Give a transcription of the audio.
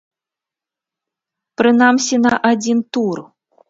Прынамсі, на адзін тур.